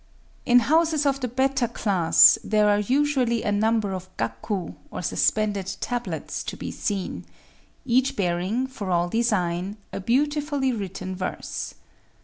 In houses of the better class there are usually a number of gaku, or suspended tablets to be seen,—each bearing, for all design, a beautifully written verse.